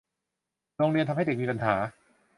โรงเรียนทำให้เด็กมีปัญหา